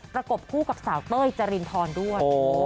กบคู่กับสาวเต้ยจรินทรด้วย